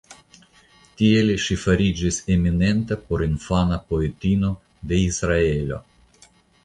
Tiele ŝi fariĝis eminenta porinfana poetino de Israelo.